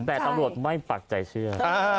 แต่อัตโหลดไม่ปักใจเชื่อ